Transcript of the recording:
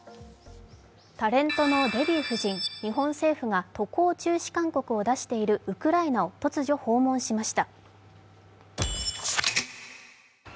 タレントのデヴィ夫人、日本政府が渡航中止勧告を出しているウクライナを突如、訪問しました。